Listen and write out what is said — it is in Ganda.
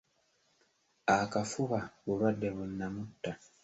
Akafuba bulwadde bu nnamutta.